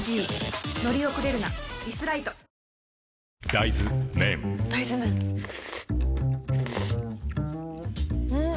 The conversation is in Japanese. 大豆麺ん？